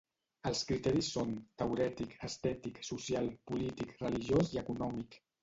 Els criteris són: teorètic, estètic, social, polític, religiós i econòmic.